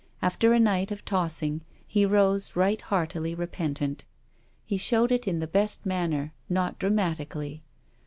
After a night of tossing, he rose right heartily repentant. He showed it in the best manner, not dramatically.